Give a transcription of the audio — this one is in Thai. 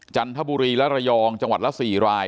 จันทบุรีและระยองจังหวัดละ๔ราย